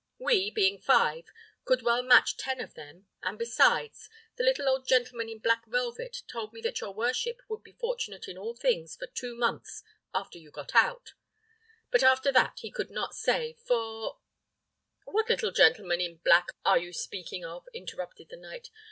We, being five, could well match ten of them; and besides, the little old gentleman in black velvet told me that your worship would be fortunate in all things for two months after you got out; but that after that he could not say, for " "What little gentleman in black are you speaking of?" interrupted the knight.